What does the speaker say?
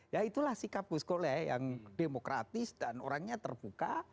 ya itulah sikap guskole yang demokratis dan orangnya terbuka